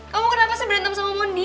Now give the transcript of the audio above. kamu kenapa sih berhentam sama mondi